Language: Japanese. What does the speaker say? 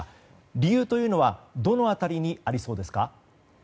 理由というのはどの辺りにありそうですか？